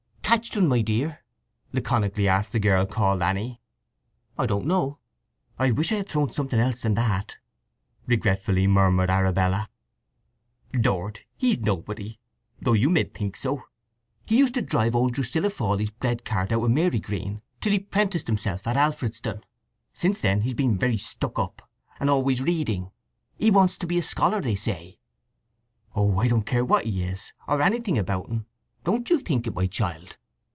"Catched un, my dear?" laconically asked the girl called Anny. "I don't know. I wish I had thrown something else than that!" regretfully murmured Arabella. "Lord! he's nobody, though you med think so. He used to drive old Drusilla Fawley's bread cart out at Marygreen, till he 'prenticed himself at Alfredston. Since then he's been very stuck up, and always reading. He wants to be a scholar, they say." "Oh, I don't care what he is, or anything about 'n. Don't you think it, my child!"